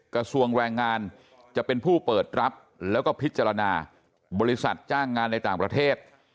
กระทรวงแรงงานจะเป็นผู้เปิดรับแล้วก็พิจารณาบริษัทจ้างงานในต่างประเทศ